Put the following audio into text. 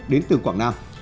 đến từ quảng nam